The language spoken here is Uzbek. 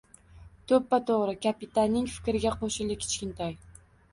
To`ppa-to`g`ri, kapitanning fikriga qo`shildi Kichkintoy